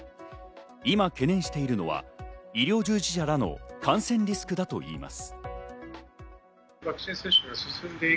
今、懸念しているのは医療従事者らの感染リスクだといいます。